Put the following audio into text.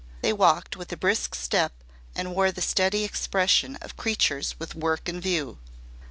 They walked with a brisk step and wore the steady expression of creatures with work in view.